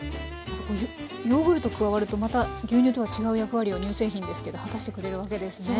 ヨーグルト加わるとまた牛乳とは違う役割を乳製品ですけど果たしてくれるわけですね。